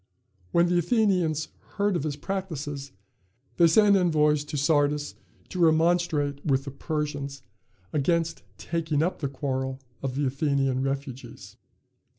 When the Athenians heard of his practices, they sent envoys to Sardis to remonstrate with the Persians against taking up the quarrel of the Athenian refugees.